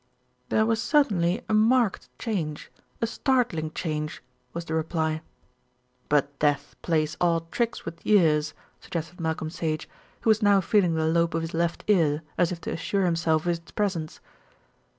"There was certainly a marked change, a startling change," was the reply. "But death plays odd tricks with years," suggested Malcolm Sage, who was now feeling the lobe of his left ear as if to assure himself of its presence.